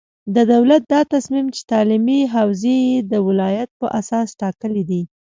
د دولت دا تصمیم چې تعلیمي حوزې یې د ولایت په اساس ټاکلې دي،